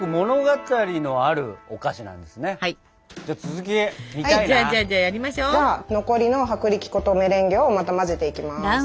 じゃあ残りの薄力粉とメレンゲをまた混ぜていきます。